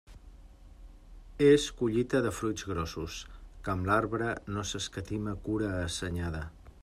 És collita de fruits grossos, que amb l'arbre no s'escatima cura assenyada.